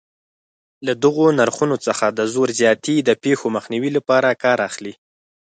له دغو نرخونو څخه د زور زیاتي د پېښو مخنیوي لپاره کار اخلي.